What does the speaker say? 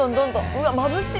うわっまぶしい！